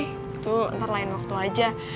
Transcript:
itu ntar lain waktu aja